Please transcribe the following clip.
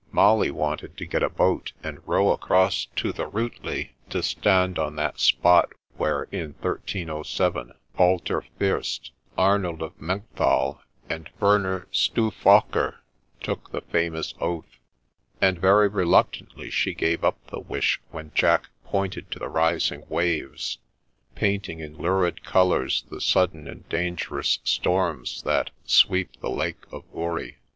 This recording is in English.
Molly wanted to get a boat, and row across to the Riitli to stand on that spot where, in 1307, Walter Fiirst, Arnold of Melchthal, and Werner Stauffacher took the famous oath, and very reluctantly she gave up the wish when Jack pointed to the rising waves, painting in lurid colours the sudden and dangerous storms that sweep the Lake of Uri.